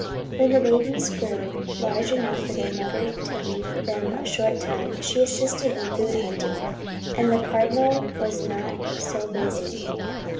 When the babies grew large enough for their mother to leave them a short time, she assisted in food hunting, and the Cardinal was not so busy.